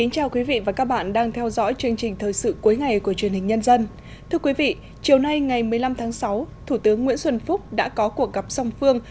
thưa quý vị chiều nay ngày một mươi năm tháng sáu thủ tướng nguyễn xuân phúc đã có cuộc gặp song phương